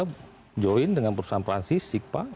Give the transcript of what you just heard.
tiba tiba join dengan perusahaan pransis sikpa